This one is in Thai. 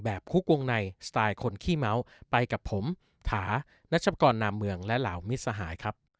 คุกวงในสไตล์คนขี้เม้าไปกับผมถานัชกรนามเมืองและเหล่ามิตรสหายครับ